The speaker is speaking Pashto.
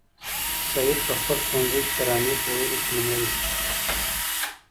سعید په خپل ښوونځي کې د ترانې په ویلو کې لومړی شو.